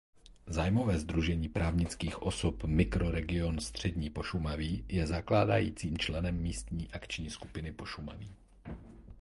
Zájmové sdružení právnických osob Mikroregion Střední Pošumaví je zakládajícím členem Místní akční skupiny Pošumaví.